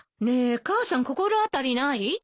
ねえ母さん心当たりない？